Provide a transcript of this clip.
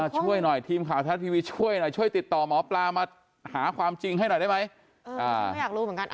ช่วยหน่อยทีมข่าวทัศน์ทีวีช่วยหน่อยช่วยติดต่อหมอปลามาหาความจริงให้หน่อยได้ไหม